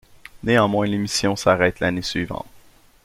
Néanmoins l'émission s'arrête l'année suivante.